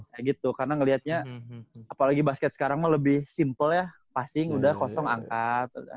kayak gitu karena ngeliatnya apalagi basket sekarang mah lebih simpel ya passing udah kosong angkat